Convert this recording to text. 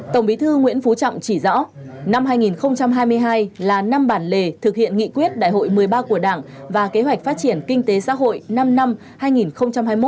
tổng bí thư nguyễn phú trọng chỉ rõ năm hai nghìn hai mươi hai là năm bản lề thực hiện nghị quyết đại hội một mươi ba của đảng và kế hoạch phát triển kinh tế xã hội năm năm hai nghìn hai mươi một hai nghìn hai mươi một